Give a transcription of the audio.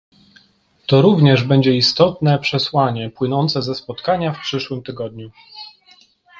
To również będzie istotne przesłanie, płynące ze spotkania w przyszłym tygodniu